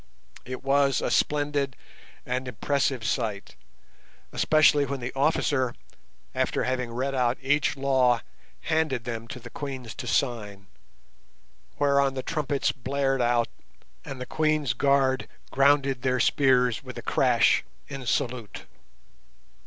It was a splendid and impressive sight, especially when the officer after having read out each law handed them to the Queens to sign, whereon the trumpets blared out and the Queens' guard grounded their spears with a crash in salute.